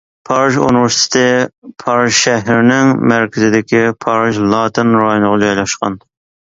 پارىژ ئۇنىۋېرسىتېتى پارىژ شەھىرىنىڭ مەركىزىدىكى پارىژ لاتىن رايونىغا جايلاشقان.